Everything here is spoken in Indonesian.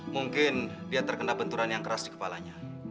mungkin dia terkena benturan yang keras di kepalanya